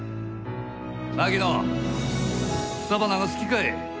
槙野草花が好きかえ？